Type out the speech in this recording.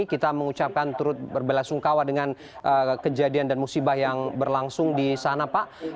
kita mengucapkan terut berbelasungkawa dengan kejadian dan musibah yang berlangsung di sana pak